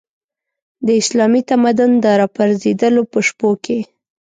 د اسلامي تمدن د راپرځېدلو په شپو کې.